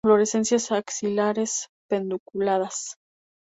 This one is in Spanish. Inflorescencias axilares, pedunculadas.